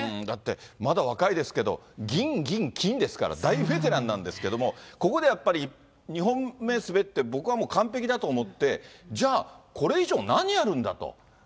だって、まだ若いですけど、銀、銀、金ですから、大ベテランなんですけれども、ここでやっぱり２本目滑って、僕はもう完璧だと思って、じゃあ、これ以上何やるんだと。